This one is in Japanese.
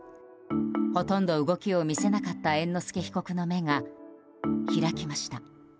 ほとんど動きを見せなかった猿之助被告の目が開きました。